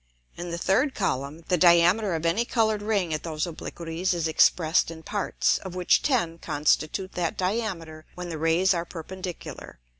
In the third Column the Diameter of any colour'd Ring at those Obliquities is expressed in Parts, of which ten constitute that Diameter when the Rays are perpendicular.